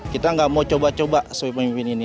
kita nggak mau coba coba sebagai pemimpin ini